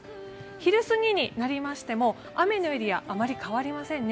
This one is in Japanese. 昼過ぎになりましても雨のエリア、あまり変わりませんね。